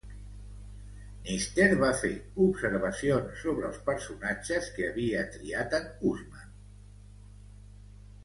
Knister va fer observacions sobre els personatges que havia triat en Housman.